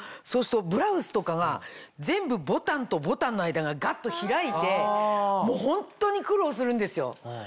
そうするとブラウスとかが全部ボタンとボタンの間がガッと開いてもうホントに苦労するんですよ。